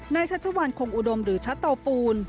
ชัชวัลคงอุดมหรือชัตเตาปูน